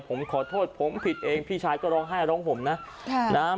ผมขอโทษผมผิดเองพี่ชายก็ร้องไห้ร้องผมนะ